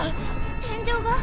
天井が！